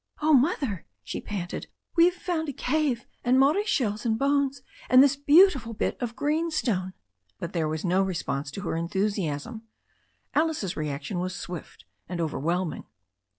"Oh, Mother," she panted, "we've found a cave, and Maori shells and bones, and this beautiful bit of greenstone." But there was no response to her enthusiasm. Alice's reaction was swift and overwhelming.